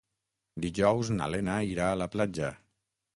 Dijous na Lena irà a la platja.